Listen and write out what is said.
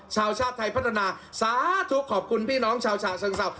ชาติไทยพัฒนาสาธุขอบคุณพี่น้องชาวฉะเชิงเศร้า